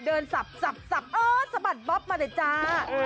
เดินสับสะบัดป๊อบมาเลยจ้า